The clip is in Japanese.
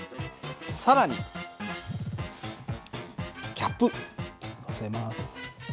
更にキャップのせます。